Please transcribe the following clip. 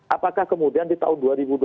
apakah kemudian di tahun dua ribu dua puluh